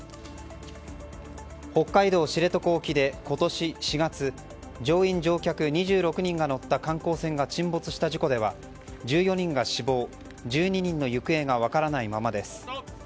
北海道知床沖で今年４月乗員・乗客２６人が乗った観光船が沈没した事故では１４人が死亡１２人の行方が分からないままです。